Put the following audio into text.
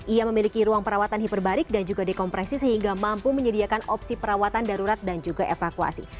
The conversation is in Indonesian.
ia memiliki ruang perawatan hiperbarik dan juga dekompresi sehingga mampu menyediakan opsi perawatan darurat dan juga evakuasi